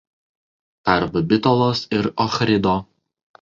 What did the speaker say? Tarp Bitolos ir Ochrido.